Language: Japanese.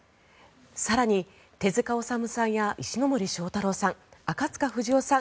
更に、手塚治虫さんは石ノ森章太郎さん赤塚不二夫さん